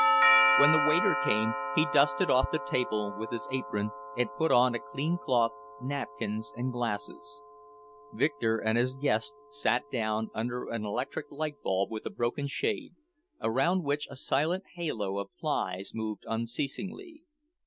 When the waiter came, he dusted off the table with his apron and put on a clean cloth, napkins, and glasses. Victor and his guest sat down under an electric light bulb with a broken shade, around which a silent halo of flies moved unceasingly.